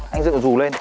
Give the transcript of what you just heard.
anh dựng cái rù lên